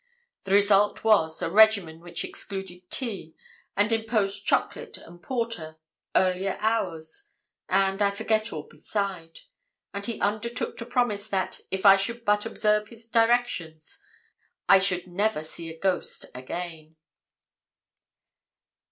The result was, a regimen which excluded tea, and imposed chocolate and porter, earlier hours, and I forget all beside; and he undertook to promise that, if I would but observe his directions, I should never see a ghost again.